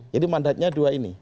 jadi mandatnya dua ini